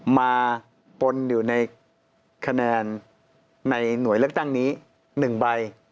มาปนอยู่ในคะแนนในหน่วยเลือกตั้งนี้๑ใบ